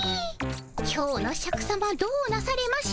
今日のシャクさまどうなされました？